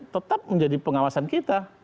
tetap menjadi pengawasan kita